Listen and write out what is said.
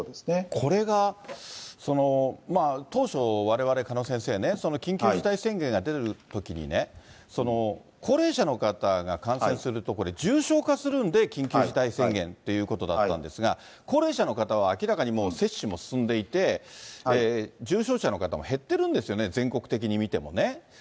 これが当初、われわれ、鹿野先生ね、緊急事態宣言が出るときに、高齢者の方が感染すると、これ、重症化するんで、緊急事態宣言ということだったんですが、高齢者の方は明らかにもう、接種も進んでいて、重症者の方も減ってるんですよね、全国的に見てもね。